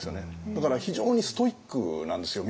だから非常にストイックなんですよ